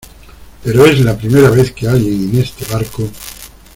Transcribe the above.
pero es la primera vez que alguien en este barco